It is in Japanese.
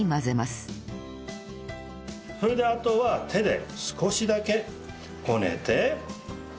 それであとは手で少しだけこねて。